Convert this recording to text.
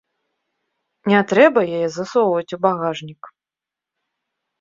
Не трэба яе засоўваць у багажнік.